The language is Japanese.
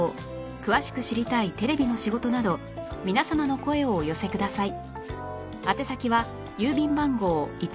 詳しく知りたいテレビの仕事など皆様の声をお寄せください